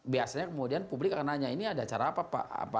biasanya kemudian publik akan nanya ini ada cara apa pak